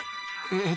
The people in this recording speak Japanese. えっ。